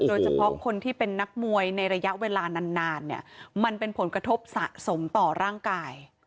โดยเฉพาะคนที่เป็นนักมวยในระยะเวลานานเนี่ยมันเป็นผลกระทบสะสมต่อร่างกาย